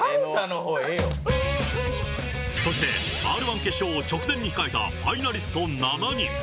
そしてＲ−１決勝を直前に控えたファイナリスト７人。